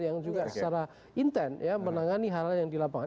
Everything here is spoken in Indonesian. yang juga secara intent menangani hal hal yang dilakukan